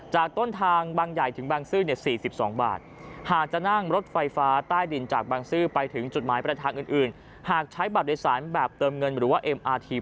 จากต้นทางบางใหญ่ถึงบางซืบ๔๒บาท